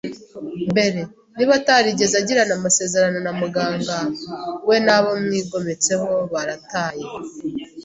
mbere. Niba atarigeze agirana amasezerano na muganga, we n'abamwigometseho, barataye